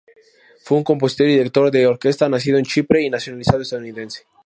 Fue un compositor y director de orquesta, nacido en Chipre y nacionalizado estadounidense.